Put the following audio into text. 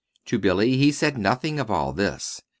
To Billy he said nothing of all this.